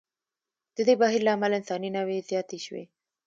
د دې بهیر له امله انساني نوعې زیاتې شوې.